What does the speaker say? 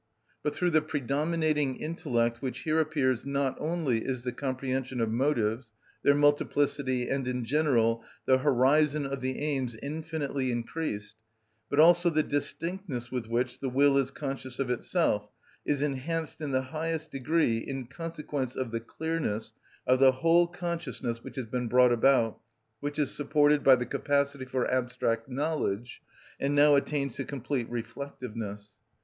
But through the predominating intellect which here appears not only is the comprehension of motives, their multiplicity, and in general the horizon of the aims infinitely increased, but also the distinctness with which the will is conscious of itself is enhanced in the highest degree in consequence of the clearness of the whole consciousness which has been brought about, which is supported by the capacity for abstract knowledge, and now attains to complete reflectiveness.